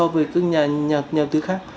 về các nhà đầu tư khác